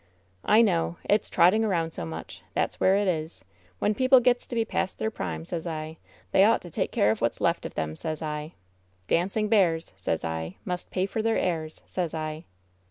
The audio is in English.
"I know. It's trotting around so much. There's where it is. When people gets to be past their prime, sez I, they ought to take care of what's left of them, sez I. ^Dancing bears,' sez I, ^must pay for their airs,' sez I."